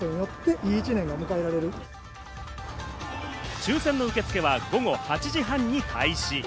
抽選の受付は午後８時半に開始。